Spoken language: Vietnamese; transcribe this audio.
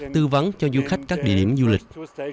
tư vấn cho du khách các địa điểm du lịch